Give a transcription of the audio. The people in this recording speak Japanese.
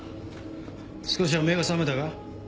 少しは目が覚めたか？